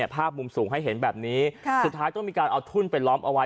ภาพมุมสูงให้เห็นแบบนี้สุดท้ายต้องมีการเอาทุ่นไปล้อมเอาไว้